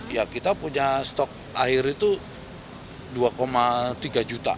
ya kita punya stok air itu dua tiga juta